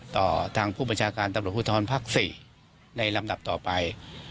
ต่อทางผู้บัญชาการตำรวจภูทธรณ์ภักดิ์๔ในลำดับต่อไป